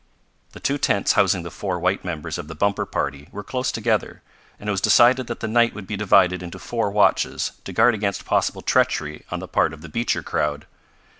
The two tents housing the four white members of the Bumper party were close together, and it was decided that the night would be divided into four watches, to guard against possible treachery on the part of the Beecher crowd.